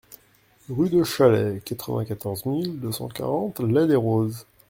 Rue de Chalais, quatre-vingt-quatorze mille deux cent quarante L'Haÿ-les-Roses